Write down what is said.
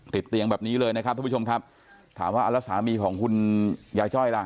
ติดเตียงแบบนี้เลยนะครับทุกผู้ชมครับถามว่าเอาแล้วสามีของคุณยายจ้อยล่ะ